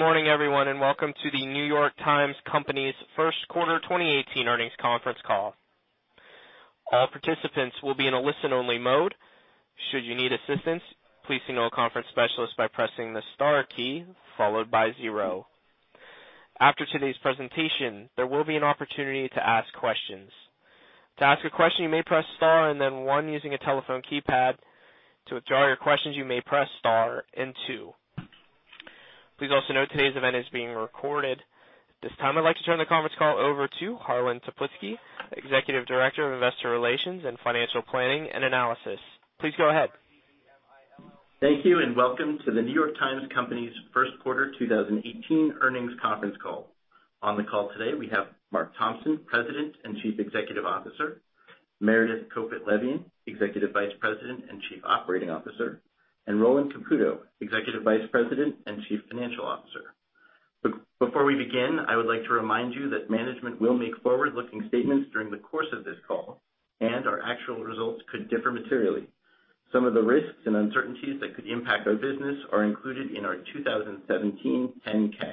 Good morning everyone, and welcome to The New York Times Company's first quarter 2018 earnings conference call. All participants will be in a listen-only mode. Should you need assistance, please signal a conference specialist by pressing the star key followed by zero. After today's presentation, there will be an opportunity to ask questions. To ask a question, you may press star and then one using a telephone keypad. To withdraw your questions, you may press star and two. Please also note today's event is being recorded. This time, I'd like to turn the conference call over to Harlan Toplitzky, Executive Director of Investor Relations and Financial Planning and Analysis. Please go ahead. Thank you and welcome to the New York Times Company's first quarter 2018 earnings conference call. On the call today we have Mark Thompson, President and Chief Executive Officer, Meredith Kopit Levien, Executive Vice President and Chief Operating Officer, and Roland Caputo, Executive Vice President and Chief Financial Officer. Before we begin, I would like to remind you that management will make forward-looking statements during the course of this call, and our actual results could differ materially. Some of the risks and uncertainties that could impact our business are included in our 2017 10-K.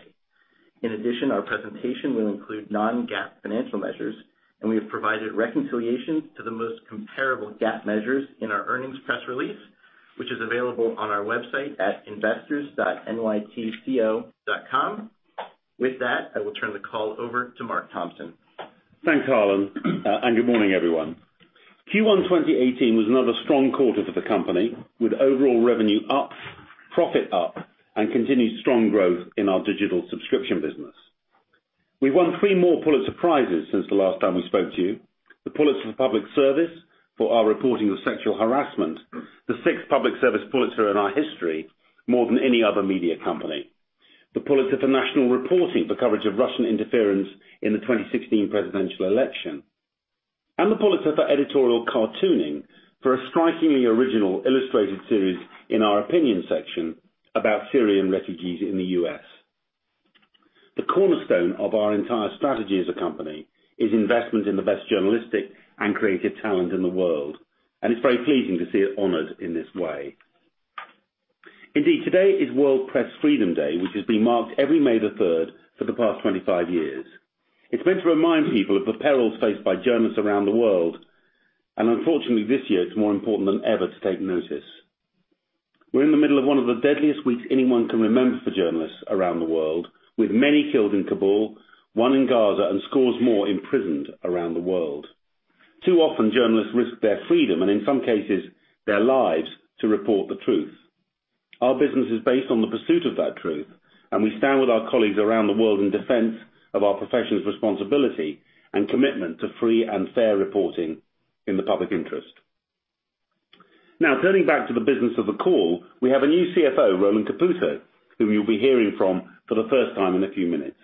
In addition, our presentation will include non-GAAP financial measures, and we have provided reconciliation to the most comparable GAAP measures in our earnings press release, which is available on our website at investors.nytco.com. With that, I will turn the call over to Mark Thompson. Thanks, Harlan, and good morning, everyone. Q1 2018 was another strong quarter for the company, with overall revenue up, profit up, and continued strong growth in our digital subscription business. We've won three more Pulitzer Prizes since the last time we spoke to you. The Pulitzer for Public Service for our reporting of sexual harassment, the sixth Public Service Pulitzer in our history, more than any other media company. The Pulitzer for National Reporting for coverage of Russian interference in the 2016 presidential election. The Pulitzer for Editorial Cartooning for a strikingly original illustrated series in our opinion section about Syrian refugees in the U.S. The cornerstone of our entire strategy as a company is investment in the best journalistic and creative talent in the world, and it's very pleasing to see it honored in this way. Indeed, today is World Press Freedom Day, which has been marked every May 3rd for the past 25 years. It's meant to remind people of the perils faced by journalists around the world, and unfortunately, this year it's more important than ever to take notice. We're in the middle of one of the deadliest weeks anyone can remember for journalists around the world, with many killed in Kabul, one in Gaza, and scores more imprisoned around the world. Too often, journalists risk their freedom, and in some cases their lives, to report the truth. Our business is based on the pursuit of that truth, and we stand with our colleagues around the world in defense of our profession's responsibility and commitment to free and fair reporting in the public interest. Now, turning back to the business of the call. We have a new CFO, Roland Caputo, who you'll be hearing from for the first time in a few minutes.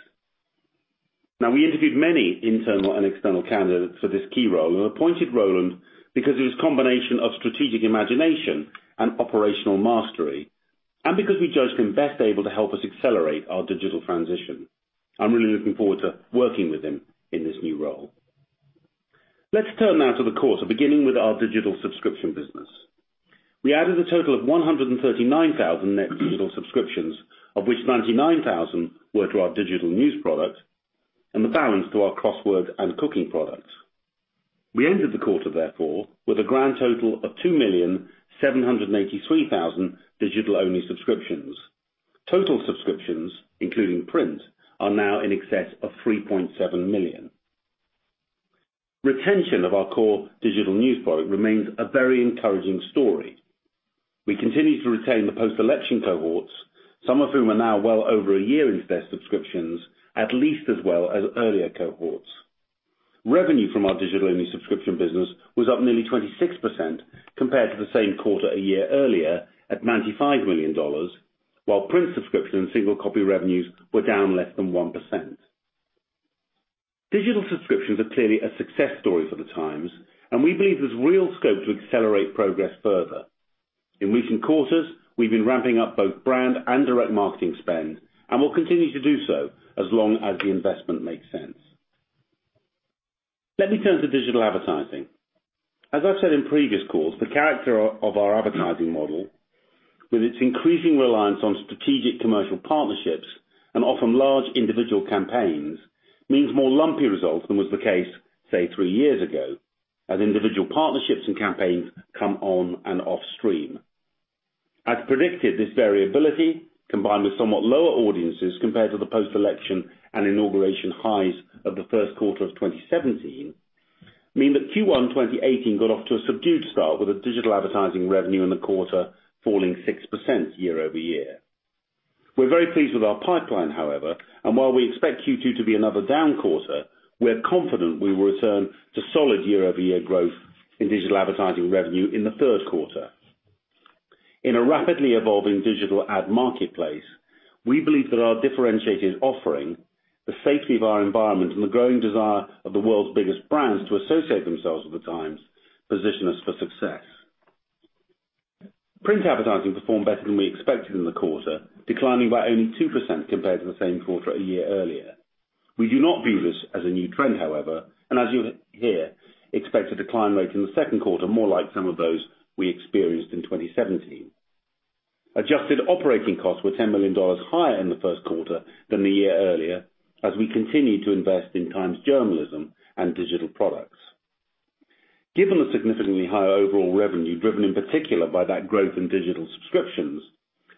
Now, we interviewed many internal and external candidates for this key role and appointed Roland because of his combination of strategic imagination and operational mastery, and because we judged him best able to help us accelerate our digital transition. I'm really looking forward to working with him in this new role. Let's turn now to the quarter, beginning with our digital subscription business. We added a total of 139,000 net digital subscriptions, of which 99,000 were to our digital news product and the balance to our crossword and Cooking products. We entered the quarter, therefore, with a grand total of 2,783,000 digital-only subscriptions. Total subscriptions, including Print, are now in excess of 3.7 million. Retention of our core digital news product remains a very encouraging story. We continue to retain the post-election cohorts, some of whom are now well over a year into their subscriptions, at least as well as earlier cohorts. Revenue from our digital-only subscription business was up nearly 26% compared to the same quarter a year earlier at $95 million, while Print subscription and single copy revenues were down less than 1%. Digital subscriptions are clearly a success story for The Times, and we believe there's real scope to accelerate progress further. In recent quarters, we've been ramping up both brand and direct marketing spend and will continue to do so as long as the investment makes sense. Let me turn to digital advertising. As I've said in previous calls, the character of our advertising model, with its increasing reliance on strategic commercial partnerships and often large individual campaigns, means more lumpy results than was the case, say three years ago, as individual partnerships and campaigns come on and off stream. As predicted, this variability, combined with somewhat lower audiences compared to the post-election and inauguration highs of the first quarter of 2017, mean that Q1 2018 got off to a subdued start with the digital advertising revenue in the quarter falling 6% year-over-year. We're very pleased with our pipeline, however, and while we expect Q2 to be another down quarter, we're confident we will return to solid year-over-year growth in digital advertising revenue in the third quarter. In a rapidly evolving digital ad marketplace, we believe that our differentiated offering, the safety of our environment, and the growing desire of the world's biggest brands to associate themselves with The Times, position us for success. Print advertising performed better than we expected in the quarter, declining by only 2% compared to the same quarter a year earlier. We do not view this as a new trend, however, and as you'll hear, expect the decline rate in the second quarter more like some of those we experienced in 2017. Adjusted operating costs were $10 million higher in the first quarter than the year earlier, as we continue to invest in Times journalism and digital products. Given the significantly higher overall revenue, driven in particular by that growth in digital subscriptions,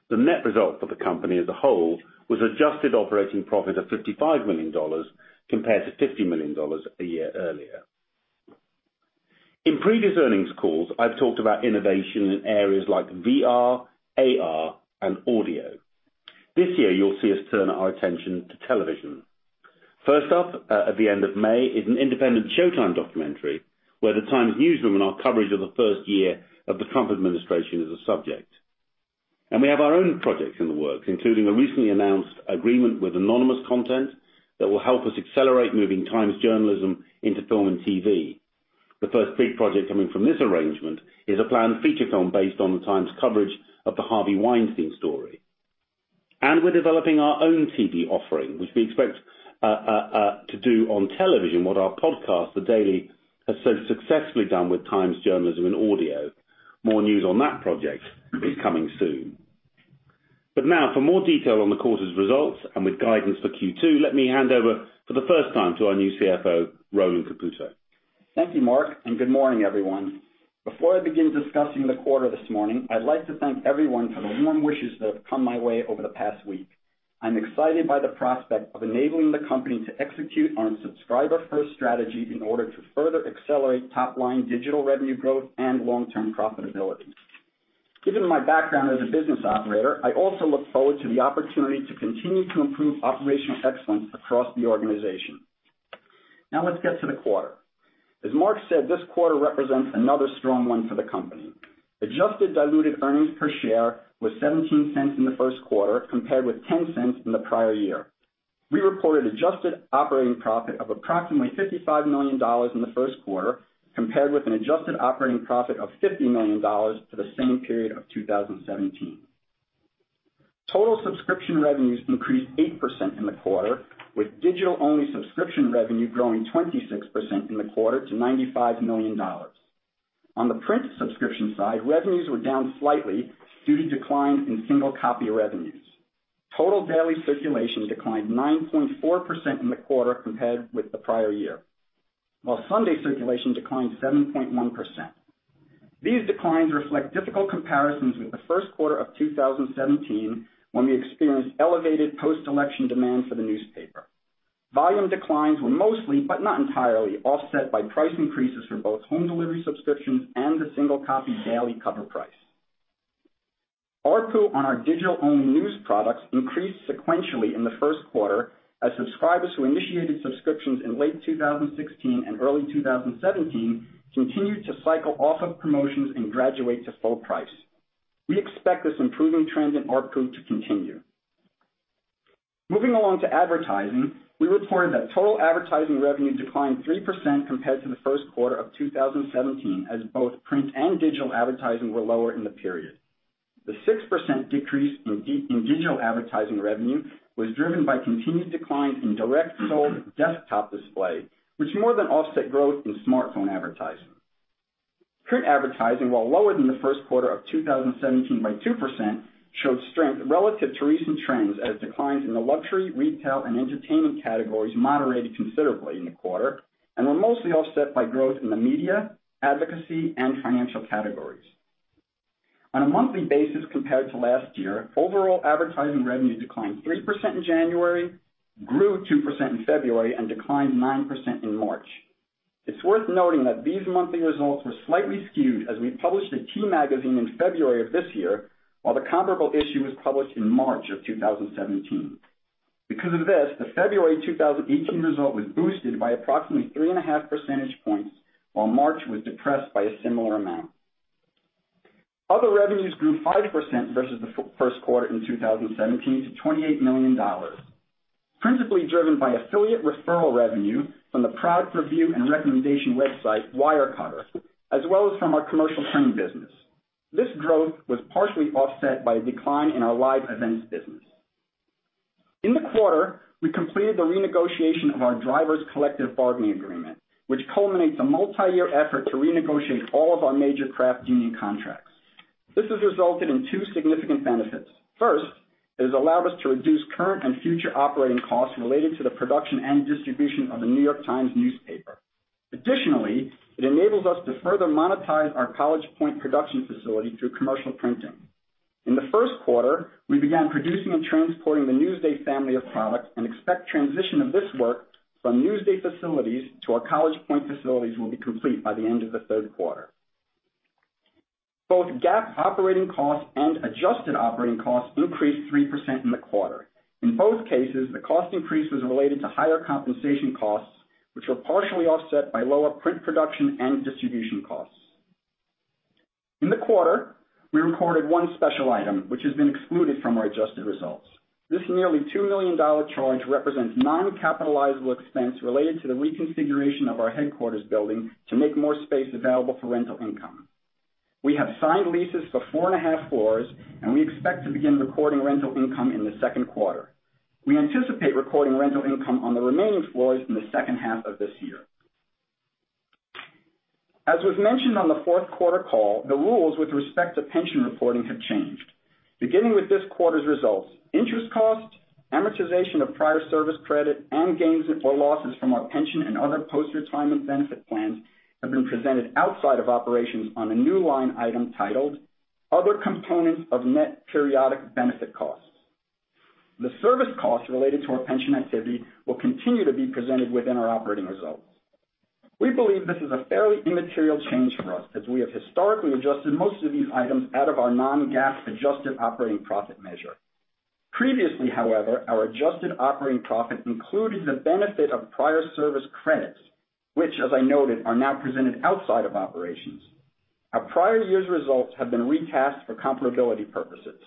the net result for the company as a whole was adjusted operating profit of $55 million compared to $50 million a year earlier. In previous earnings calls, I've talked about innovation in areas like VR, AR, and audio. This year you'll see us turn our attention to television. First up, at the end of May, is an independent Showtime documentary, where the Times newsroom and our coverage of the first year of the Trump administration is a subject. We have our own projects in the works, including a recently announced agreement with Anonymous Content that will help us accelerate moving Times journalism into film and TV. The first big project coming from this arrangement is a planned feature film based on the Times coverage of the Harvey Weinstein story. We're developing our own TV offering, which we expect to do on television what our podcast, "The Daily," has so successfully done with Times journalism and audio. More news on that project is coming soon. Now, for more detail on the quarter's results and with guidance for Q2, let me hand over for the first time to our new CFO, Roland Caputo. Thank you, Mark, and good morning, everyone. Before I begin discussing the quarter this morning, I'd like to thank everyone for the warm wishes that have come my way over the past week. I'm excited by the prospect of enabling the company to execute on subscriber-first strategy in order to further accelerate top line digital revenue growth and long-term profitability. Given my background as a business operator, I also look forward to the opportunity to continue to improve operational excellence across the organization. Now let's get to the quarter. As Mark said, this quarter represents another strong one for the company. Adjusted diluted earnings per share was $0.17 in the first quarter, compared with $0.10 in the prior year. We reported adjusted operating profit of approximately $55 million in the first quarter, compared with an adjusted operating profit of $50 million for the same period of 2017. Total subscription revenues increased 8% in the quarter, with digital-only subscription revenue growing 26% in the quarter to $95 million. On the Print subscription side, revenues were down slightly due to decline in single copy revenues. Total daily circulation declined 9.4% in the quarter compared with the prior year, while Sunday circulation declined 7.1%. These declines reflect difficult comparisons with the first quarter of 2017, when we experienced elevated post-election demand for the newspaper. Volume declines were mostly, but not entirely, offset by price increases for both home delivery subscriptions and the single copy daily cover price. ARPU on our digital-owned news products increased sequentially in the first quarter, as subscribers who initiated subscriptions in late 2016 and early 2017 continued to cycle off of promotions and graduate to full price. We expect this improving trend in ARPU to continue. Moving along to advertising. We reported that total advertising revenue declined 3% compared to the first quarter of 2017, as both Print and digital advertising were lower in the period. The 6% decrease in digital advertising revenue was driven by continued declines in direct sold desktop display, which more than offset growth in smartphone advertising. Print advertising, while lower than the first quarter of 2017 by 2%, showed strength relative to recent trends as declines in the luxury, retail, and entertainment categories moderated considerably in the quarter and were mostly offset by growth in the media, advocacy, and financial categories. On a monthly basis, compared to last year, overall advertising revenue declined 3% in January, grew 2% in February, and declined 9% in March. It's worth noting that these monthly results were slightly skewed as we published the T Magazine in February of this year, while the comparable issue was published in March of 2017. Because of this, the February 2018 result was boosted by approximately 3.5 percentage points, while March was depressed by a similar amount. Other revenues grew 5% versus the first quarter in 2017 to $28 million, principally driven by affiliate referral revenue from the product review and recommendation website, Wirecutter, as well as from our commercial printing business. This growth was partially offset by a decline in our live events business. In the quarter, we completed the renegotiation of our drivers' collective bargaining agreement, which culminates a multi-year effort to renegotiate all of our major craft union contracts. This has resulted in two significant benefits. First, it has allowed us to reduce current and future operating costs related to the production and distribution of The New York Times newspaper. Additionally, it enables us to further monetize our College Point production facility through commercial printing. In the first quarter, we began producing and transporting the Newsday family of products and expect transition of this work from Newsday facilities to our College Point facilities will be complete by the end of the third quarter. Both GAAP operating costs and adjusted operating costs increased 3% in the quarter. In both cases, the cost increase was related to higher compensation costs, which were partially offset by lower Print production and distribution costs. In the quarter, we reported one special item, which has been excluded from our adjusted results. This nearly $2 million charge represents non-capitalizable expense related to the reconfiguration of our headquarters building to make more space available for rental income. We have signed leases for four and a half floors, and we expect to begin recording rental income in the second quarter. We anticipate recording rental income on the remaining floors in the second half of this year. As was mentioned on the fourth quarter call, the rules with respect to pension reporting have changed. Beginning with this quarter's results, interest costs, amortization of prior service credit, and gains or losses from our pension and other post-retirement benefit plans have been presented outside of operations on a new line item titled, "Other components of net periodic benefit costs." The service costs related to our pension activity will continue to be presented within our operating results. We believe this is a fairly immaterial change for us as we have historically adjusted most of these items out of our non-GAAP adjusted operating profit measure. Previously, however, our adjusted operating profit included the benefit of prior service credits, which, as I noted, are now presented outside of operations. Our prior year's results have been recast for comparability purposes.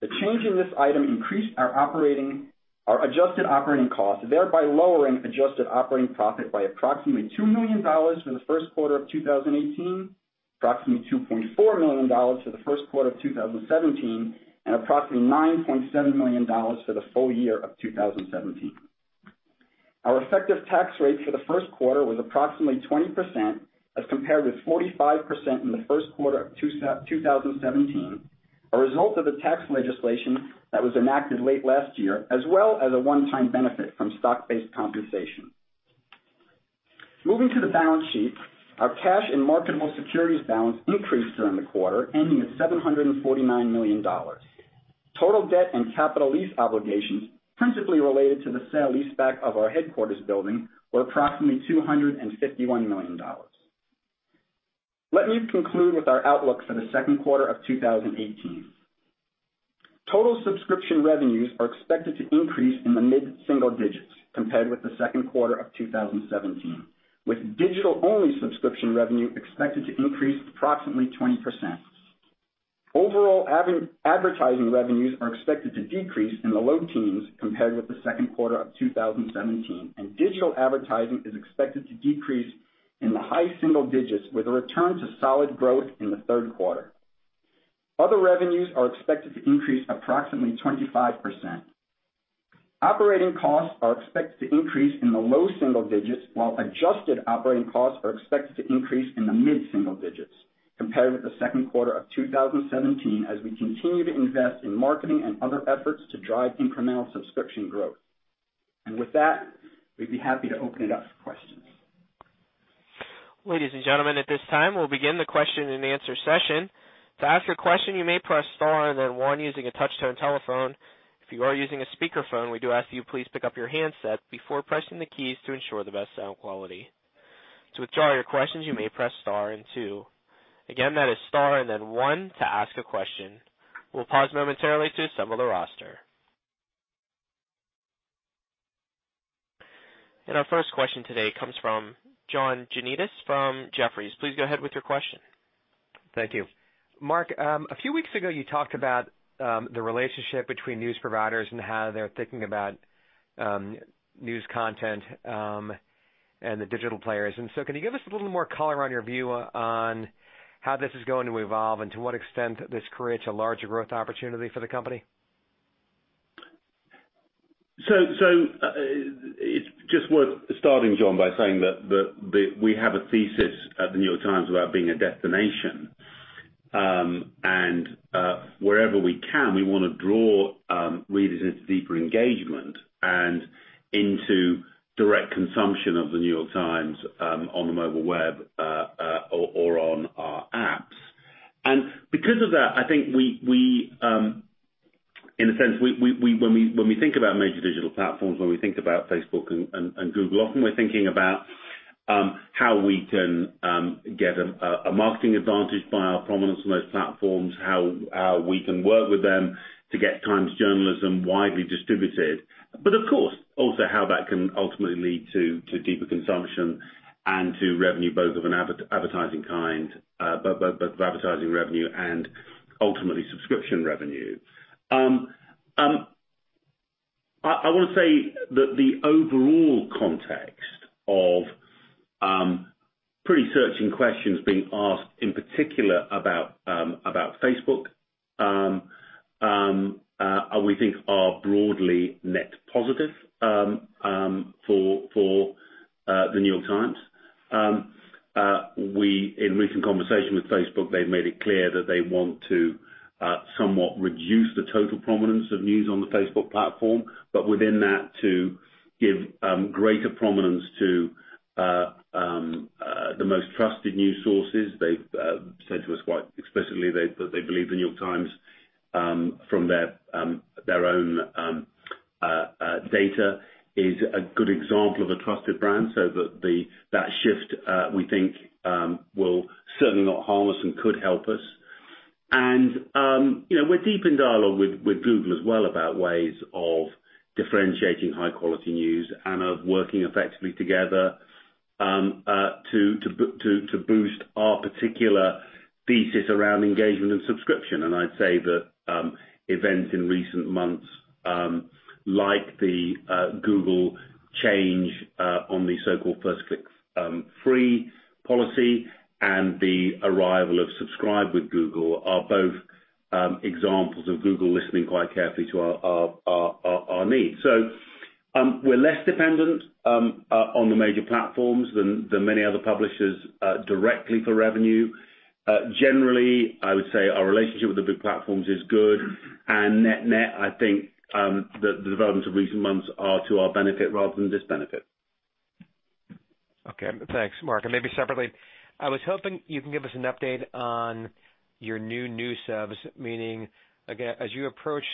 The change in this item increased our adjusted operating costs, thereby lowering adjusted operating profit by approximately $2 million for the first quarter of 2018, approximately $2.4 million for the first quarter of 2017, and approximately $9.7 million for the full year of 2017. Our effective tax rate for the first quarter was approximately 20%, as compared with 45% in the first quarter of 2017, a result of the tax legislation that was enacted late last year, as well as a one-time benefit from stock-based compensation. Moving to the balance sheet, our cash and marketable securities balance increased during the quarter, ending at $749 million. Total debt and capital lease obligations, principally related to the sale leaseback of our headquarters building, were approximately $251 million. Let me conclude with our outlook for the second quarter of 2018. Total subscription revenues are expected to increase in the mid-single digits compared with the second quarter of 2017, with digital-only subscription revenue expected to increase approximately 20%. Overall advertising revenues are expected to decrease in the low teens compared with the second quarter of 2017, and digital advertising is expected to decrease in the high single digits with a return to solid growth in the third quarter. Other revenues are expected to increase approximately 25%. Operating costs are expected to increase in the low-single digits, while adjusted operating costs are expected to increase in the mid-single digits compared with the second quarter of 2017 as we continue to invest in marketing and other efforts to drive incremental subscription growth. With that, we'd be happy to open it up for questions. Ladies and gentlemen, at this time, we'll begin the question-and-answer session. To ask your question, you may press star and then one using a touch-tone telephone. If you are using a speakerphone, we do ask you please pick up your handset before pressing the keys to ensure the best sound quality. To withdraw your questions, you may press star and two. Again, that is star and then one to ask a question. We'll pause momentarily to assemble the roster. Our first question today comes from John Janedis from Jefferies. Please go ahead with your question. Thank you. Mark, a few weeks ago, you talked about the relationship between news providers and how they're thinking about news content and the digital players. Can you give us a little more color on your view on how this is going to evolve and to what extent this creates a larger growth opportunity for the company? It's just worth starting, John, by saying that we have a thesis at The New York Times about being a destination, and wherever we can, we want to draw readers into deeper engagement and into direct consumption of The New York Times, on the mobile web or on our apps. Because of that, I think we, in a sense, when we think about major digital platforms, when we think about Facebook and Google, often we're thinking about how we can get a marketing advantage by our prominence on those platforms, how we can work with them to get Times journalism widely distributed. Of course, also how that can ultimately lead to deeper consumption and to revenue, both of an advertising kind, but of advertising revenue and ultimately subscription revenue. I want to say that the overall context of pretty searching questions being asked in particular about Facebook, we think are broadly net positive for The New York Times. In recent conversation with Facebook, they've made it clear that they want to somewhat reduce the total prominence of news on the Facebook platform, but within that, to give greater prominence to the most trusted news sources. They've said to us quite explicitly that they believe The New York Times, from their own data, is a good example of a trusted brand. That shift, we think, will certainly not harm us and could help us. We're deep in dialogue with Google as well about ways of differentiating high-quality news and of working effectively together to boost our particular thesis around engagement and subscription. I'd say that events in recent months, like the Google change on the so-called First Click Free policy and the arrival of Subscribe with Google are both examples of Google listening quite carefully to our needs. We're less dependent on the major platforms than many other publishers directly for revenue. Generally, I would say our relationship with the big platforms is good, and net-net, I think, the developments of recent months are to our benefit rather than disbenefit. Okay, thanks, Mark. Maybe separately, I was hoping you can give us an update on your new subs, meaning, again, as you approach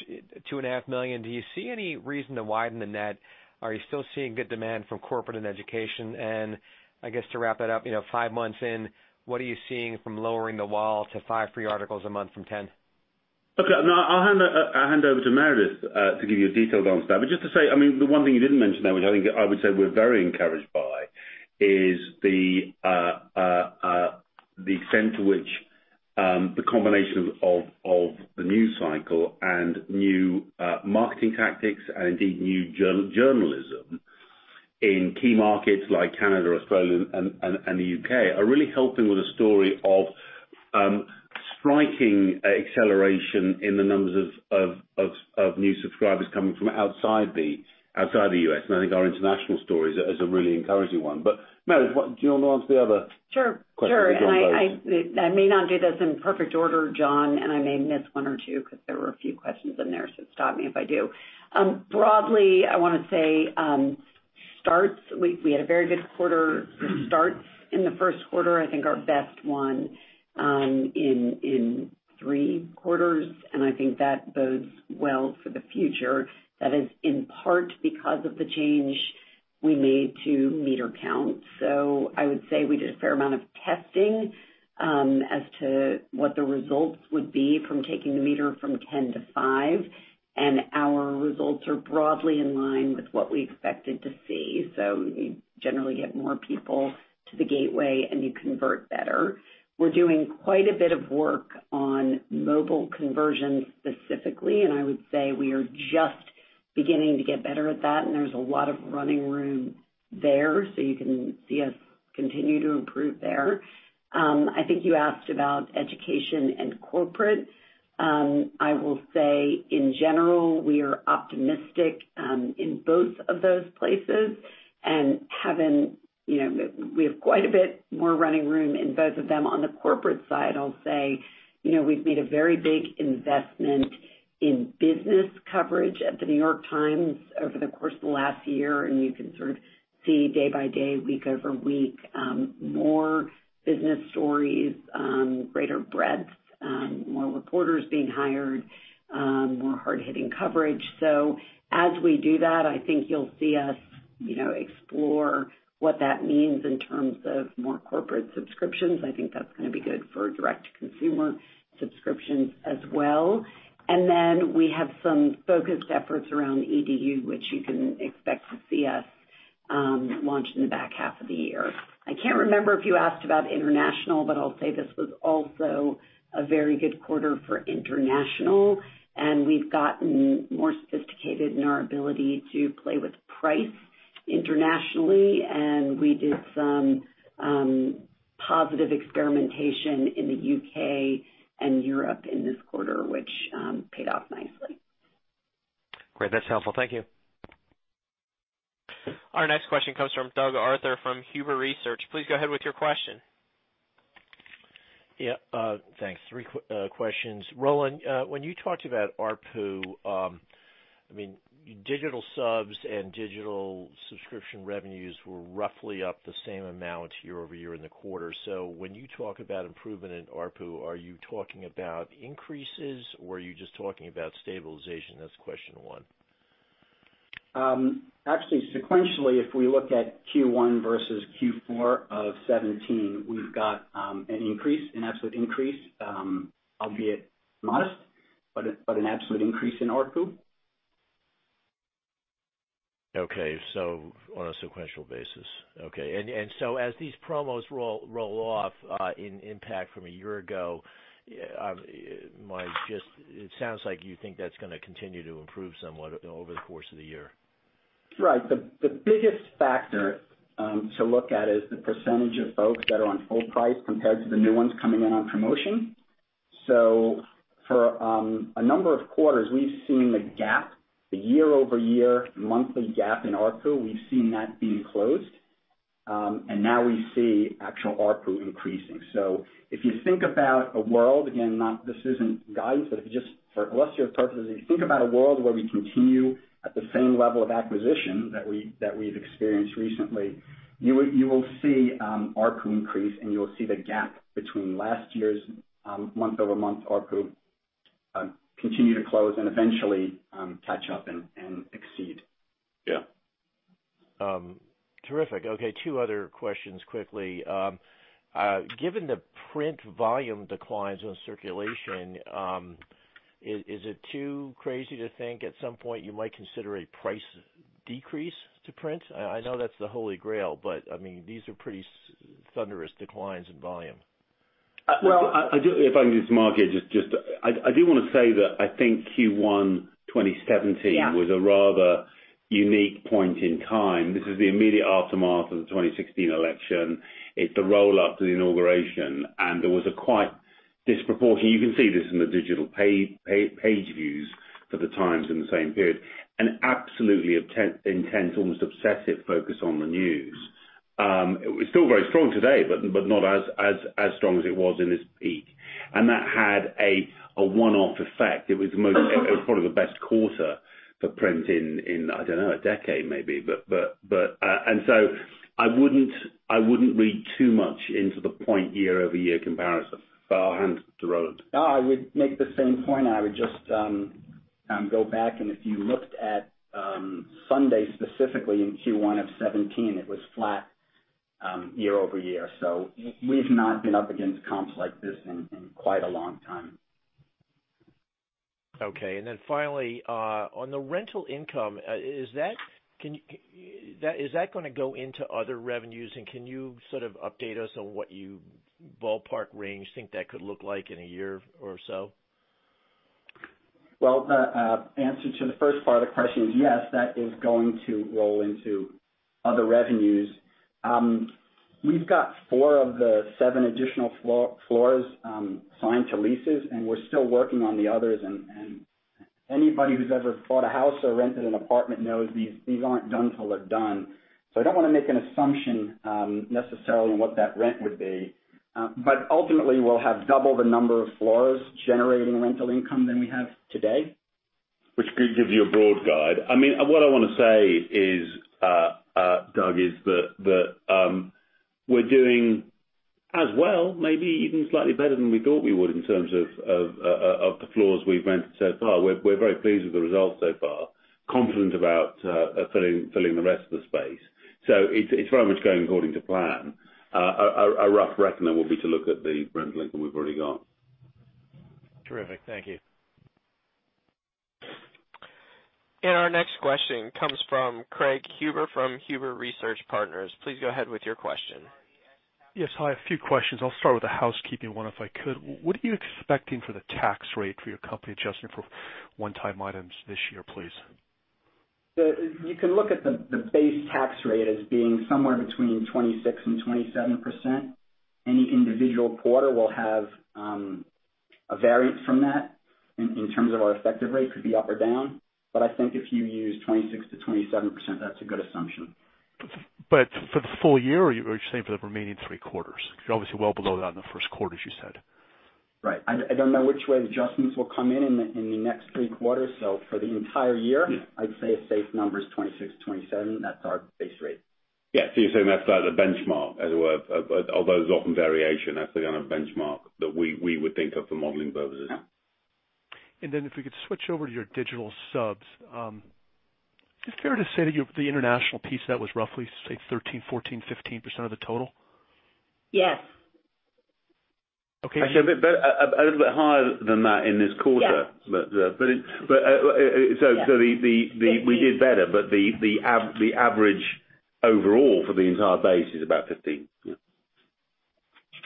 $2.5 million, do you see any reason to widen the net? Are you still seeing good demand from corporate and education? I guess to wrap that up, five months in, what are you seeing from lowering the wall to five free articles a month from 10? Okay. No, I'll hand over to Meredith to give you a detailed answer to that. Just to say, the one thing you didn't mention there, which I think I would say we're very encouraged by, is the extent to which the combination of the news cycle and new marketing tactics and indeed new journalism in key markets like Canada, Australia, and the U.K. are really helping with the story of striking acceleration in the numbers of new subscribers coming from outside the U.S. I think our international story is a really encouraging one. Meredith, do you want to answer the other question? Sure. I may not do this in perfect order, John, and I may miss one or two because there were a few questions in there, so stop me if I do. Broadly, I want to say, to start, we had a very good start in the first quarter, I think our best one in three quarters, and I think that bodes well for the future. That is in part because of the change we made to meter count. I would say we did a fair amount of testing as to what the results would be from taking the meter from 10 to five, and our results are broadly in line with what we expected to see. You generally get more people to the gateway, and you convert better. We're doing quite a bit of work on mobile conversion specifically, and I would say we are just beginning to get better at that, and there's a lot of running room there, so you can see us continue to improve there. I think you asked about education and corporate. I will say, in general, we are optimistic in both of those places and we have quite a bit more running room in both of them. On the corporate side, I'll say we've made a very big investment in business coverage at "The New York Times" over the course of the last year, and you can sort of see day by day, week over week, more business stories, greater breadth, more reporters being hired, more hard-hitting coverage. As we do that, I think you'll see us explore what that means in terms of more corporate subscriptions. I think that's going to be good for direct-to-consumer subscriptions as well. We have some focused efforts around EDU, which you can expect to see us launch in the back half of the year. I can't remember if you asked about international, but I'll say this was also a very good quarter for international, and we've gotten more sophisticated in our ability to play with price internationally, and we did some positive experimentation in the U.K. and Europe in this quarter, which paid off nicely. Great. That's helpful. Thank you. Our next question comes from Doug Arthur from Huber Research. Please go ahead with your question. Yeah, thanks. three questions. Roland, when you talked about ARPU, digital subs and digital subscription revenues were roughly up the same amount year-over-year in the quarter. So when you talk about improvement in ARPU, are you talking about increases or are you just talking about stabilization? That's question one. Actually, sequentially, if we look at Q1 versus Q4 of 2017, we've got an increase, an absolute increase, albeit modest, but an absolute increase in ARPU. Okay. On a sequential basis. Okay. As these promos roll off in impact from a year ago, it sounds like you think that's going to continue to improve somewhat over the course of the year. Right. The biggest factor to look at is the percentage of folks that are on full price compared to the new ones coming in on promotion. For a number of quarters, we've seen the gap, the year-over-year monthly gap in ARPU, we've seen that being closed. Now we see actual ARPU increasing. Again, this isn't guidance, but if you just, for illustrative purposes, you think about a world where we continue at the same level of acquisition that we've experienced recently, you will see ARPU increase, and you will see the gap between last year's month-over-month ARPU continue to close and eventually tick up and exceed. Yeah. Terrific. Okay. Two other questions quickly. Given the print volume declines on circulation, is it too crazy to think at some point you might consider a price decrease to print? I know that's the Holy Grail, but these are pretty thunderous declines in volume. Well, if I can just, Mark, I do want to say that I think Q1 2017. Yeah was a rather unique point in time. This is the immediate aftermath of the 2016 election. It's the run-up to the inauguration, and there was a quite disproportionate, you can see this in the digital page views for The Times in the same period, an absolutely intense, almost obsessive focus on the news. It's still very strong today, but not as strong as it was in this peak. That had a one-off effect. It was probably the best quarter for Print in, I don't know, a decade maybe. I wouldn't read too much into the point-in-time year-over-year comparison. I'll hand to Roland. No, I would make the same point. I would just go back, and if you looked at Sunday, specifically in Q1 of 2017, it was flat year-over-year. We've not been up against comps like this in quite a long time. Okay, finally, on the rental income, is that going to go into other revenues? Can you update us on what you ballpark range think that could look like in a year or so? Well, the answer to the first part of the question is yes, that is going to roll into other revenues. We've got four of the seven additional floors assigned to leases, and we're still working on the others, and anybody who's ever bought a house or rented an apartment knows these aren't done till they're done. I don't want to make an assumption necessarily on what that rent would be. Ultimately, we'll have double the number of floors generating rental income than we have today. Which gives you a broad guide. What I want to say, Doug, is that we're doing as well, maybe even slightly better than we thought we would in terms of the floors we've rented so far. We're very pleased with the results so far, confident about filling the rest of the space. It's very much going according to plan. A rough reckoning will be to look at the rental income we've already got. Terrific. Thank you. Our next question comes from Craig Huber from Huber Research Partners. Please go ahead with your question. Yes, hi. A few questions. I'll start with the housekeeping one, if I could. What are you expecting for the tax rate for your company, adjusting for one-time items this year, please? You can look at the base tax rate as being somewhere between 26%-27%. Any individual quarter will have a variance from that in terms of our effective rate, could be up or down. I think if you use 26%-27%, that's a good assumption. For the full year, or are you saying for the remaining three quarters? Because you're obviously well below that in the first quarter, as you said. Right. I don't know which way the adjustments will come in the next three quarters. For the entire year, I'd say a safe number is 26%-27%. That's our base rate. Yeah. You're saying that's like the benchmark, as it were, although there's often variation, that's the benchmark that we would think of for modeling purposes. If we could switch over to your digital subs, is it fair to say that the international piece of that was roughly, say, 13%, 14%, 15% of the total? Yes. Actually, a little bit higher than that in this quarter. Yes. We did better, but the average overall for the entire base is about 15%. Yeah.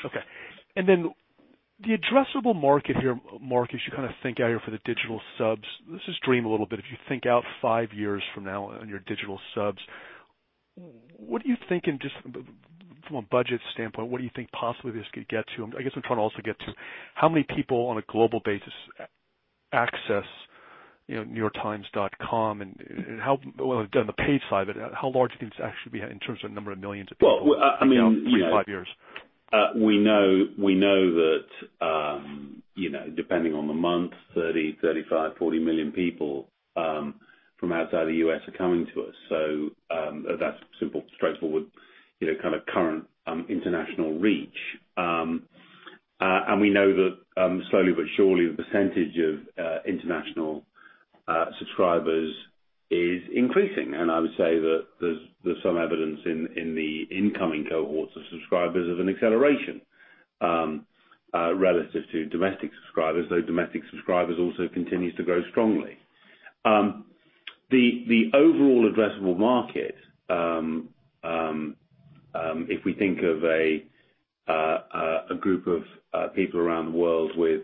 Okay. The addressable market here, Mark, as you think out here for the digital subs, let's just dream a little bit. If you think out five years from now on your digital subs, what are you thinking just from a budget standpoint, what do you think possibly this could get to? I guess I'm trying to also get to how many people on a global basis access your times.com and on the paid side of it, how large do you think this could actually be in terms of the number of millions of people three to five years? We know that, depending on the month, 30, 35, 40 million people from outside the U.S. are coming to us. That's simple, straightforward, current international reach. We know that slowly but surely, the percentage of international subscribers is increasing, and I would say that there's some evidence in the incoming cohorts of subscribers of an acceleration relative to domestic subscribers, though domestic subscribers also continues to grow strongly. The overall addressable market, if we think of a group of people around the world with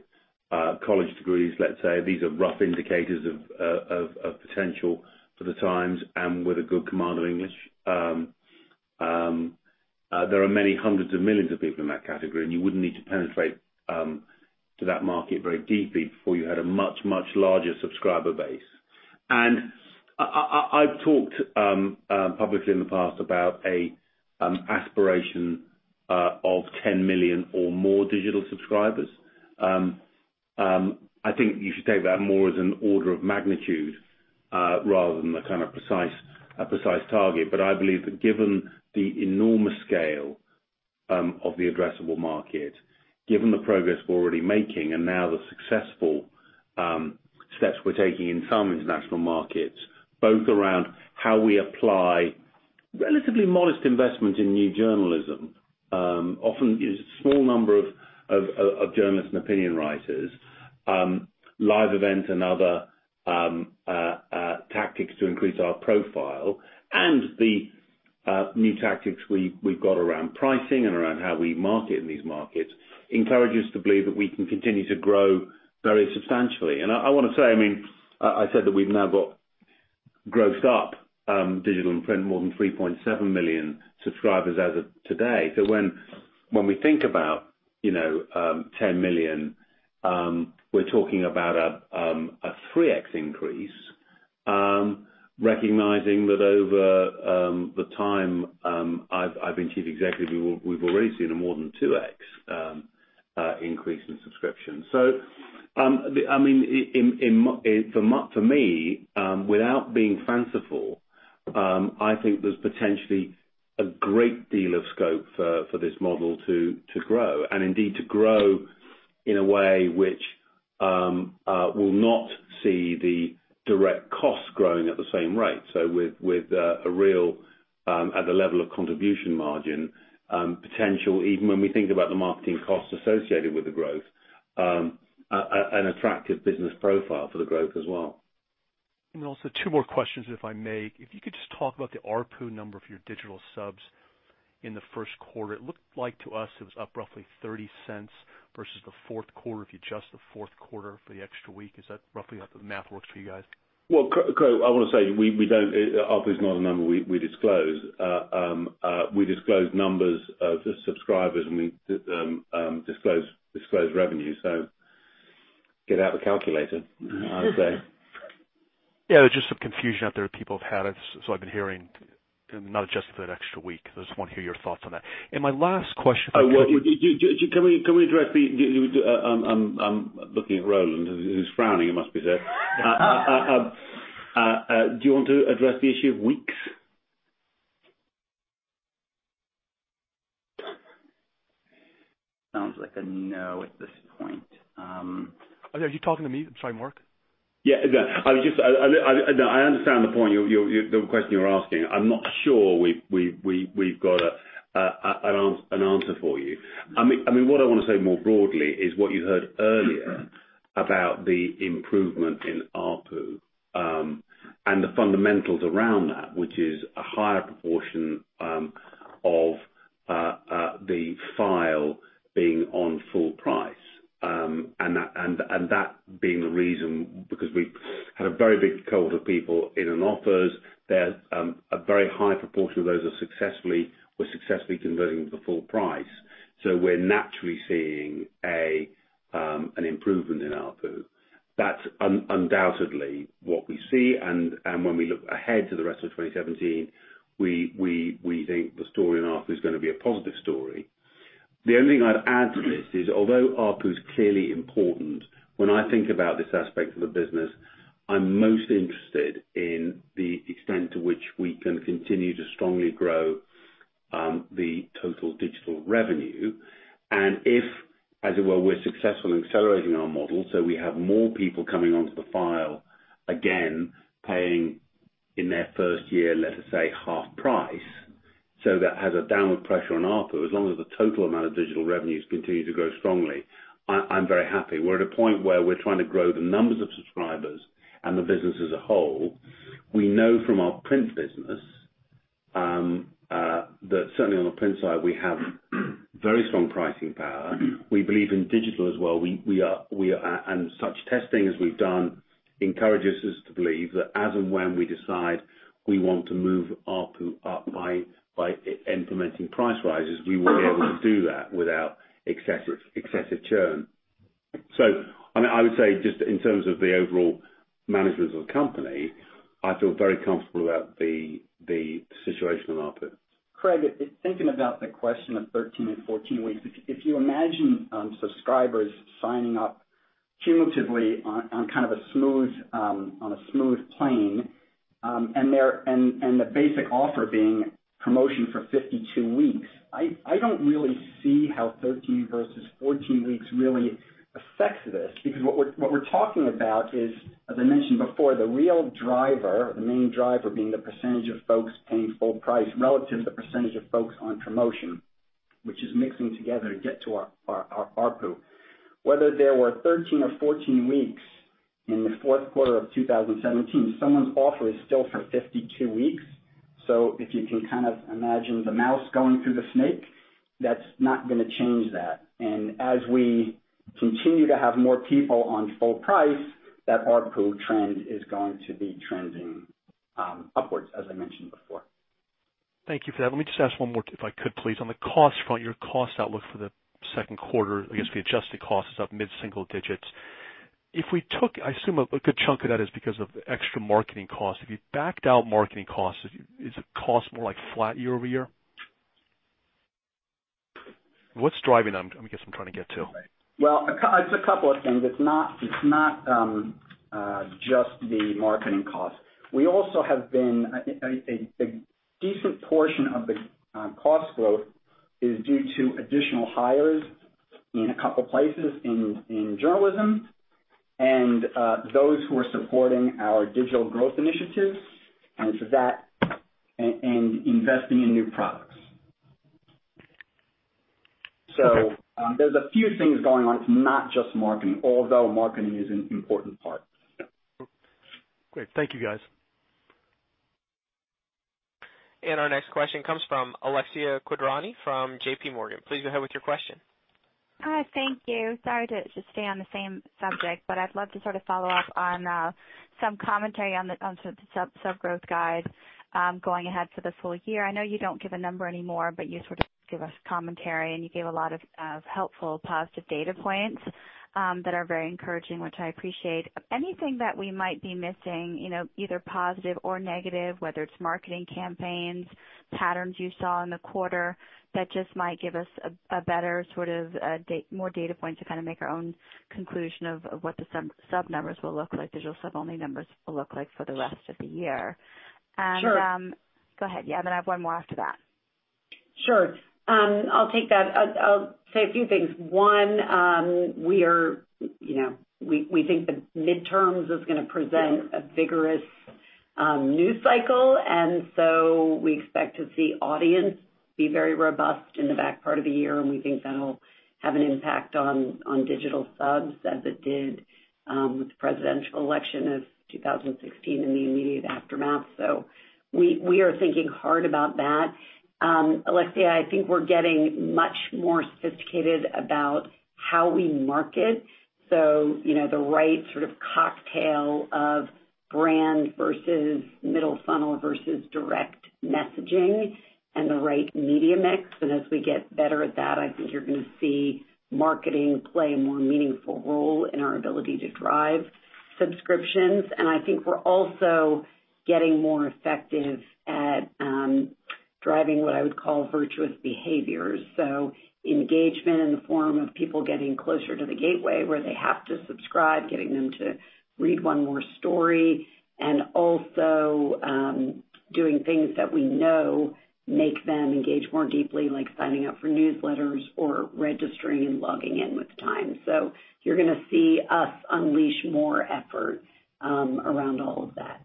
college degrees, let's say, these are rough indicators of potential for The Times, and with a good command of English. There are many hundreds of millions of people in that category, and you wouldn't need to penetrate to that market very deeply before you had a much, much larger subscriber base. I've talked publicly in the past about an aspiration of 10 million or more digital subscribers. I think you should take that more as an order of magnitude rather than a precise target. I believe that given the enormous scale of the addressable market, given the progress we're already making, and now the successful steps we're taking in some international markets, both around how we apply relatively modest investment in new journalism, often using a small number of journalists and opinion writers, live events and other tactics to increase our profile and the new tactics we've got around pricing and around how we market in these markets encourage us to believe that we can continue to grow very substantially. I want to say, I said that we've now got grossed up digital and Print, more than 3.7 million subscribers as of today. When we think about 10 million, we're talking about a 3x increase, recognizing that over the time I've been chief executive, we've already seen a more than 2x increase in subscription. For me, without being fanciful, I think there's potentially a great deal of scope for this model to grow, and indeed to grow in a way which will not see the direct costs growing at the same rate. At the level of contribution margin potential, even when we think about the marketing costs associated with the growth, an attractive business profile for the growth as well. Also two more questions, if I may. If you could just talk about the ARPU number for your digital subs in the first quarter. It looked like to us it was up roughly $0.30 versus the fourth quarter. If you adjust the fourth quarter for the extra week, is that roughly how the math works for you guys? Well, I want to say, ARPU is not a number we disclose. We disclose numbers of subscribers, and we disclose revenue. Get out the calculator, I would say. Yeah, there's just some confusion out there that people have had. I've been hearing not adjusted for that extra week. I just want to hear your thoughts on that. My last question- I'm looking at Roland, who's frowning, it must be said. Do you want to address the issue of weeks? Sounds like a no at this point. Are you talking to me? Sorry, Mark? Yeah. I understand the point, the question you're asking. I'm not sure we've got an answer for you. What I want to say more broadly is what you heard earlier about the improvement in ARPU, and the fundamentals around that, which is a higher proportion of the file being on full price. That being the reason, because we had a very big cohort of people in intro offers. A very high proportion of those were successfully converting to the full price. We're naturally seeing an improvement in ARPU. That's undoubtedly what we see. When we look ahead to the rest of 2017, we think the story in ARPU is going to be a positive story. The only thing I'd add to this is, although ARPU is clearly important, when I think about this aspect of the business, I'm most interested in the extent to which we can continue to strongly grow the total digital revenue. If, as it were, we're successful in accelerating our model, so we have more people coming onto the fold, again, paying in their first year, let us say, half price, so that has a downward pressure on ARPU. As long as the total amount of digital revenues continue to grow strongly, I'm very happy. We're at a point where we're trying to grow the numbers of subscribers and the business as a whole. We know from our Print business, that certainly on the Print side, we have very strong pricing power. We believe in digital as well. Such testing as we've done encourages us to believe that as and when we decide we want to move ARPU up by implementing price rises, we will be able to do that without excessive churn. I would say, just in terms of the overall management of the company, I feel very comfortable about the situation on ARPU. Craig, thinking about the question of 13 and 14 weeks, if you imagine subscribers signing up cumulatively on a smooth plane, and the basic offer being promotion for 52 weeks, I don't really see how 13 versus 14 weeks really affects this. Because what we're talking about is, as I mentioned before, the real driver, the main driver being the percentage of folks paying full price relative to the percentage of folks on promotion, which is mixing together to get to our ARPU. Whether there were 13 or 14 weeks in the fourth quarter of 2017, someone's offer is still for 52 weeks. If you can imagine the mouse going through the snake, that's not going to change that. As we continue to have more people on full price, that ARPU trend is going to be trending upwards, as I mentioned before. Thank you for that. Let me just ask one more, if I could please. On the cost front, your cost outlook for the second quarter, I guess the adjusted cost is up mid-single digits. I assume a good chunk of that is because of extra marketing costs. If you backed out marketing costs, is the cost more like flat year-over-year? What's driving them, I guess I'm trying to get to? Well, it's a couple of things. It's not just the marketing costs. A decent portion of the cost growth is due to additional hires in a couple places in journalism, and those who are supporting our digital growth initiatives, and investing in new products. There's a few things going on. It's not just marketing, although marketing is an important part. Great. Thank you, guys. Our next question comes from Alexia Quadrani from JPMorgan. Please go ahead with your question. Hi, thank you. Sorry to stay on the same subject, but I'd love to sort of follow up on some commentary on the sub-growth guide going ahead for this full year. I know you don't give a number anymore, but you sort of give us commentary, and you gave a lot of helpful positive data points that are very encouraging, which I appreciate. Anything that we might be missing, either positive or negative, whether it's marketing campaigns, patterns you saw in the quarter, that just might give us a better sort of more data point to kind of make our own conclusion of what the sub numbers will look like, digital sub-only numbers will look like for the rest of the year. Sure. Go ahead. Yeah, I have one more after that. Sure. I'll take that. I'll say a few things. One, we think the midterms is going to present a vigorous news cycle, and so we expect to see audience be very robust in the back part of the year, and we think that'll have an impact on digital subs as it did with the presidential election of 2016 and the immediate aftermath. We are thinking hard about that. Alexia, I think we're getting much more sophisticated about how we market. The right sort of cocktail of brand versus middle funnel versus direct messaging and the right media mix. As we get better at that, I think you're going to see marketing play a more meaningful role in our ability to drive subscriptions. I think we're also getting more effective at driving what I would call virtuous behaviors. Engagement in the form of people getting closer to the gateway where they have to subscribe, getting them to read one more story, and also doing things that we know make them engage more deeply, like signing up for newsletters or registering and logging in with Times. You're going to see us unleash more effort around all of that.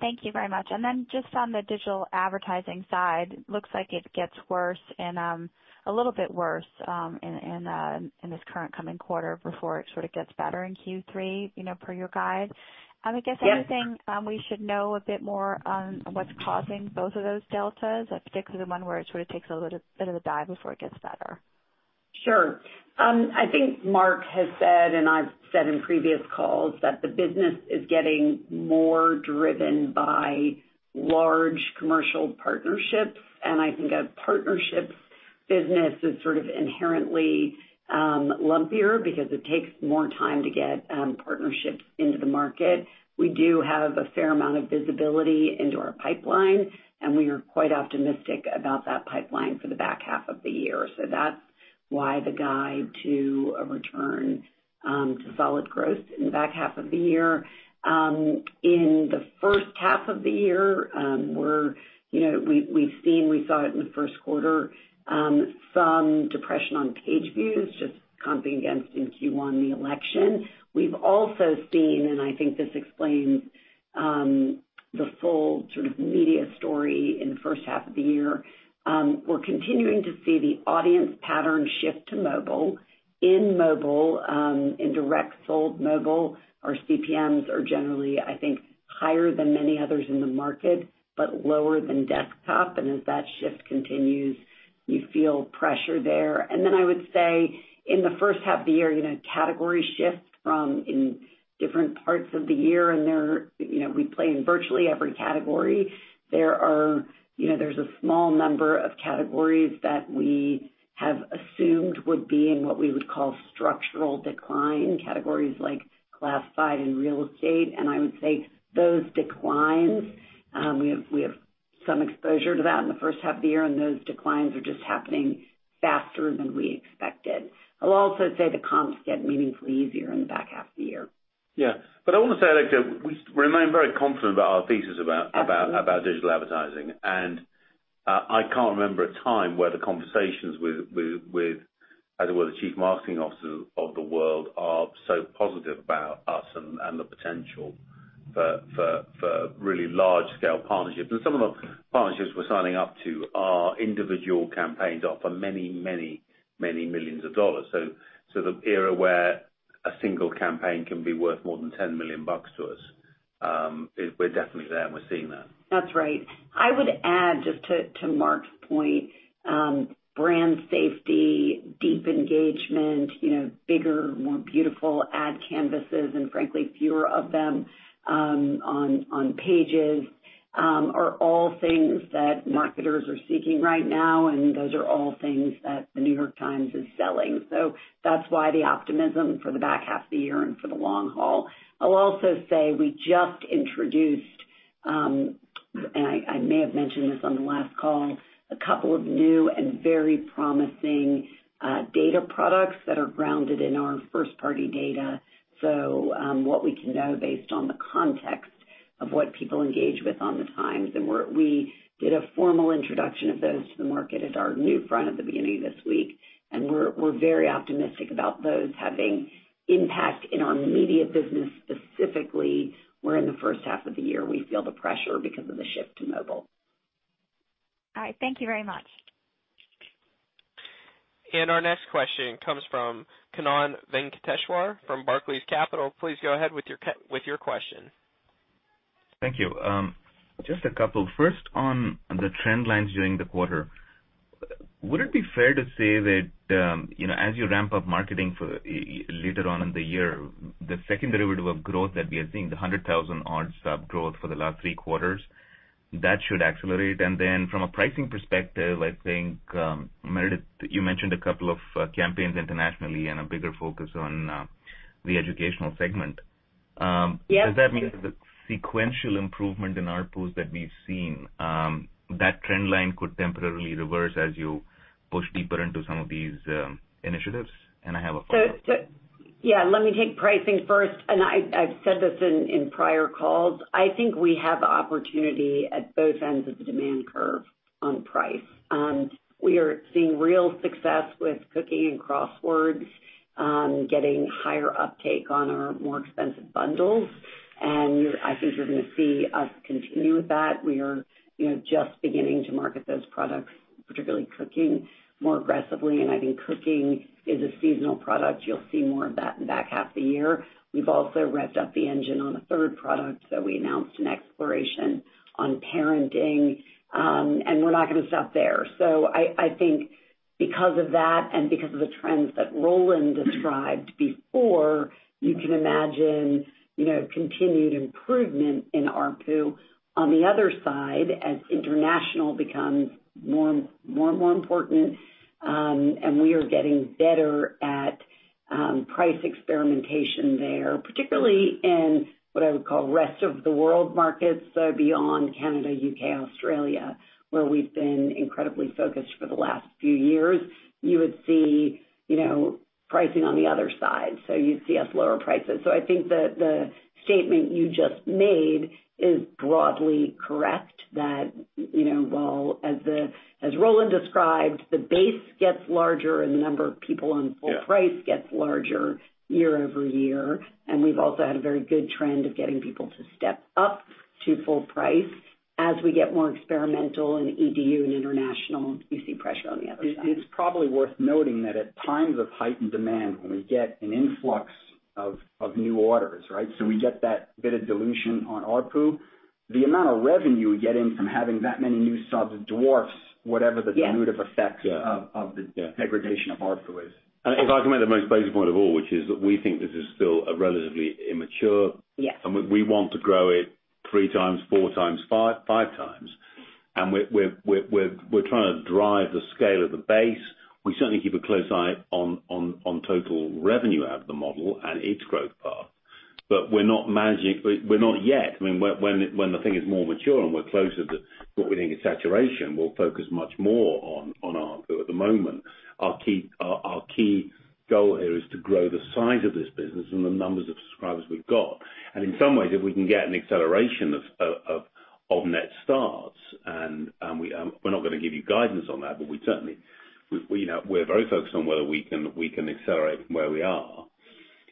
Thank you very much. Just on the digital advertising side, looks like it gets a little bit worse in this current coming quarter before it sort of gets better in Q3, per your guide. I guess anything we should know a bit more on what's causing both of those deltas, particularly the one where it sort of takes a little bit of a dive before it gets better? Sure. I think Mark has said, and I've said in previous calls, that the business is getting more driven by large commercial partnerships. I think a partnerships business is sort of inherently lumpier because it takes more time to get partnerships into the market. We do have a fair amount of visibility into our pipeline, and we are quite optimistic about that pipeline for the back half of the year. That's why the guide to a return to solid growth in the back half of the year. In the first half of the year, we saw, in the first quarter, some depression on page views just comping against in Q1 the election. We've also seen, and I think this explains the full sort of media story in the first half of the year, we're continuing to see the audience pattern shift to mobile. In mobile, in direct sold mobile, our CPMs are generally, I think, higher than many others in the market, but lower than desktop. As that shift continues, you feel pressure there. Then I would say in the first half of the year, category shifts from in different parts of the year, and we play in virtually every category. There's a small number of categories that we have assumed would be in what we would call structural decline, categories like classified and real estate. I would say those declines, we have some exposure to that in the first half of the year, and those declines are just happening faster than we expected. I'll also say the comps get meaningfully easier in the back half of the year. Yeah. I want to say, Alexia, we remain very confident about our thesis about- Absolutely Digital advertising. I can't remember a time where the conversations with, as it were, the chief marketing officers of the world are so positive about us and the potential for really large scale partnerships. Some of the partnerships we're signing up to are individual campaigns are for many, many, many millions of dollars. The era where a single campaign can be worth more than $10 million to us, we're definitely there and we're seeing that. That's right. I would add just to Mark's point, brand safety, deep engagement, bigger, more beautiful ad canvases, and frankly, fewer of them on pages, are all things that marketers are seeking right now, and those are all things that The New York Times is selling. That's why the optimism for the back half of the year and for the long haul. I'll also say we just introduced, and I may have mentioned this on the last call, a couple of new and very promising data products that are grounded in our first-party data. What we can know based on the context of what people engage with on The Times, and we did a formal introduction of those to the market at our NewFront at the beginning of this week. We're very optimistic about those having impact in our media business specifically, where in the first half of the year we feel the pressure because of the shift to mobile. All right. Thank you very much. Our next question comes from Kannan Venkateshwar from Barclays Capital. Please go ahead with your question. Thank you. Just a couple. First on the trend lines during the quarter. Would it be fair to say that, as you ramp up marketing for later on in the year, the second derivative of growth that we are seeing, the 100,000-odd sub growth for the last three quarters, that should accelerate? From a pricing perspective, I think, Meredith, you mentioned a couple of campaigns internationally and a bigger focus on the educational segment. Yes. Does that mean the sequential improvement in ARPU that we've seen, that trend line could temporarily reverse as you push deeper into some of these initiatives? I have a follow-up. Yeah, let me take pricing first, and I've said this in prior calls. I think we have opportunity at both ends of the demand curve on price. We are seeing real success with cooking and crosswords, getting higher uptake on our more expensive bundles, and I think you're going to see us continue with that. We are just beginning to market those products, particularly cooking, more aggressively. I think cooking is a seasonal product. You'll see more of that in the back half of the year. We've also revved up the engine on a third product that we announced an exploration on Parenting, and we're not going to stop there. I think because of that and because of the trends that Roland described before, you can imagine continued improvement in ARPU. On the other side, as international becomes more and more important, and we are getting better at price experimentation there, particularly in what I would call rest-of-the-world markets beyond Canada, U.K., Australia, where we've been incredibly focused for the last few years, you would see pricing on the other side. You'd see us lower prices. I think the statement you just made is broadly correct, that while, as Roland described, the base gets larger and the number of people on full price gets larger year-over-year, and we've also had a very good trend of getting people to step up to full price. As we get more experimental in EDU and international, you see pressure on the other side. It's probably worth noting that at times of heightened demand, when we get an influx of new orders, right? We get that bit of dilution on ARPU. The amount of revenue we get in from having that many new subs dwarfs whatever the diminutive effect of the degradation of ARPU is. If I can make the most basic point of all, which is that we think this is still a relatively immature. Yes We want to grow it 3x, 4x, 5x. We're trying to drive the scale of the base. We certainly keep a close eye on total revenue out of the model and its growth path. But we're not yet, I mean, when the thing is more mature and we're closer to what we think is saturation, we'll focus much more on ARPU. At the moment, our key goal here is to grow the size of this business and the numbers of subscribers we've got. In some ways, if we can get an acceleration of net starts, and we're not going to give you guidance on that, but we certainly, we're very focused on whether we can accelerate from where we are.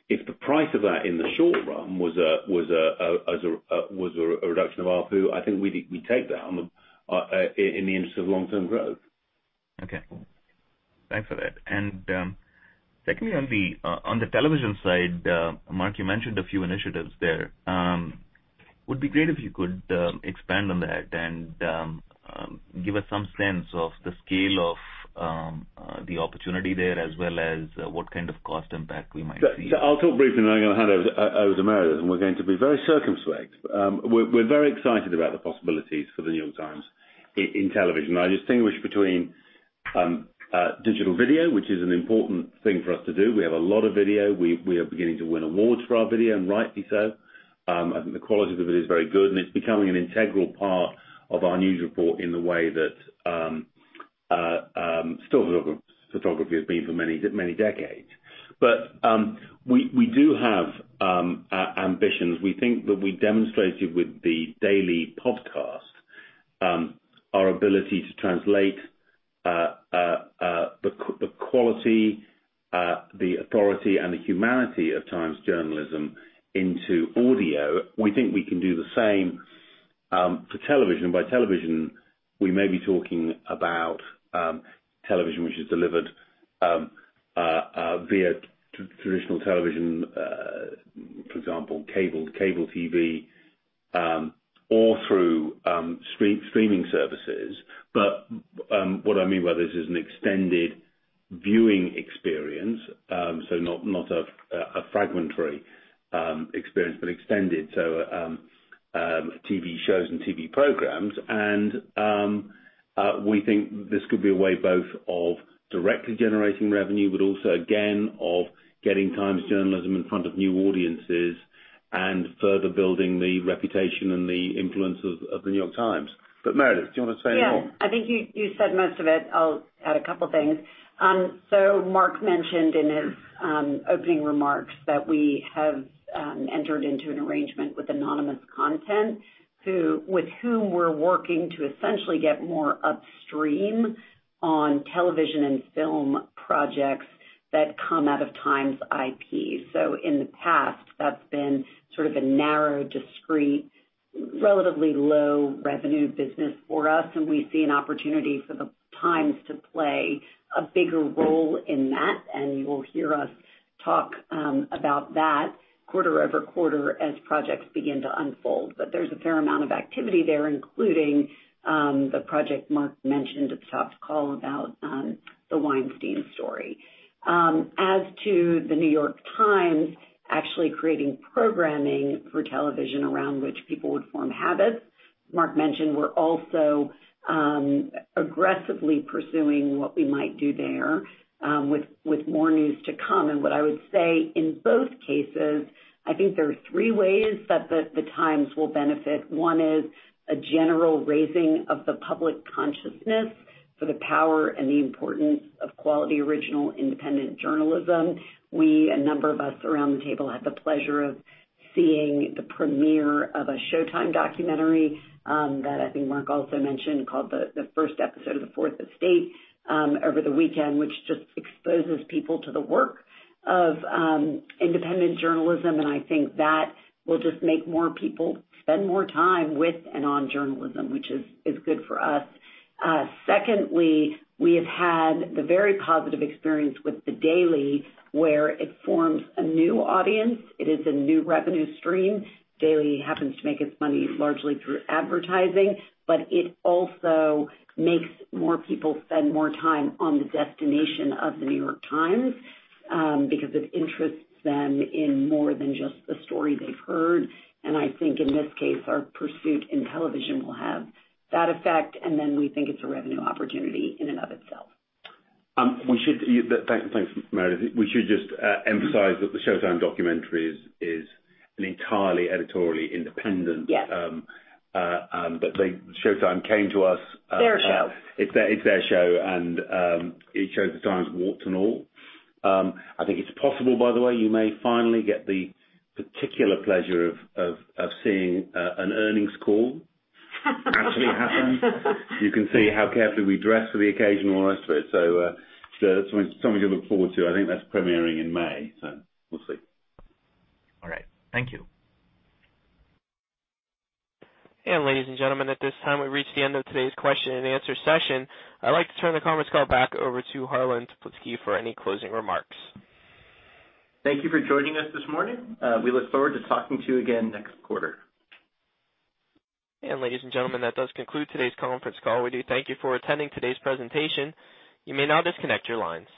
If the price of that in the short run was a reduction of ARPU, I think we'd take that in the interest of long-term growth. Okay. Thanks for that. Secondly on the television side, Mark, you mentioned a few initiatives there. Would be great if you could expand on that and give us some sense of the scale of the opportunity there as well as what kind of cost impact we might see. I'll talk briefly, and then I'm going to hand over to Meredith, and we're going to be very circumspect. We're very excited about the possibilities for The New York Times in television. I distinguish between digital video, which is an important thing for us to do. We have a lot of video. We are beginning to win awards for our video, and rightly so. I think the quality of the video is very good, and it's becoming an integral part of our news report in the way that still photography has been for many decades. We do have ambitions. We think that we demonstrated with The Daily podcast, our ability to translate the quality, the authority, and the humanity of Times journalism into audio. We think we can do the same for television. By television, we may be talking about television which is delivered via traditional television, for example, cable TV, or through streaming services. What I mean by this is an extended viewing experience. Not a fragmentary experience, but extended. TV shows and TV programs. We think this could be a way both of directly generating revenue, but also, again, of getting Times journalism in front of new audiences and further building the reputation and the influence of The New York Times. Meredith, do you want to say more? Yeah. I think you said most of it. I'll add a couple of things. Mark mentioned in his opening remarks that we have entered into an arrangement with Anonymous Content with whom we're working to essentially get more upstream on television and film projects that come out of Times IP. In the past, that's been sort of a narrow, discrete, relatively low revenue business for us, and we see an opportunity for the Times to play a bigger role in that, and you will hear us talk about that quarter over quarter as projects begin to unfold. There's a fair amount of activity there, including the project Mark mentioned at the top of the call about the Weinstein story. As to The New York Times actually creating programming for television around which people would form habits, Mark mentioned we're also aggressively pursuing what we might do there with more news to come. What I would say in both cases, I think there are three ways that The Times will benefit. One is a general raising of the public consciousness for the power and the importance of quality, original, independent journalism. We, a number of us around the table, had the pleasure of seeing the premiere of a Showtime documentary that I think Mark also mentioned, called the first episode of The Fourth Estate over the weekend, which just exposes people to the work of independent journalism, and I think that will just make more people spend more time with and on journalism, which is good for us. Secondly, we have had the very positive experience with The Daily, where it forms a new audience. It is a new revenue stream. The Daily happens to make its money largely through advertising, but it also makes more people spend more time on the destination of The New York Times because it interests them in more than just the story they've heard. I think in this case, our pursuit in television will have that effect, and then we think it's a revenue opportunity in and of itself. Thanks, Meredith. We should just emphasize that the Showtime documentary is an entirely editorially independent. Yes Showtime came to us. Their show. It's their show, and it shows The Times, warts and all. I think it's possible, by the way, you may finally get the particular pleasure of seeing an earnings call actually happen. You can see how carefully we dress for the occasion and all the rest of it. Something to look forward to. I think that's premiering in May, so we'll see. All right. Thank you. Ladies and gentlemen, at this time, we've reached the end of today's question-and-answer session. I'd like to turn the conference call back over to Harlan Toplitzky for any closing remarks. Thank you for joining us this morning. We look forward to talking to you again next quarter. Ladies and gentlemen, that does conclude today's conference call. We do thank you for attending today's presentation. You may now disconnect your lines.